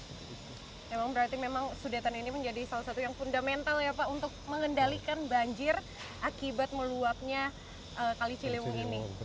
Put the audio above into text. memang berarti memang sudetan ini menjadi salah satu yang fundamental ya pak untuk mengendalikan banjir akibat meluapnya kali ciliwung ini